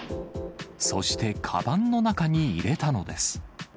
そしてかばんの中に入れたのです。